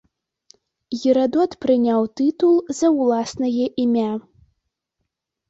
Герадот прыняў тытул за ўласнае імя.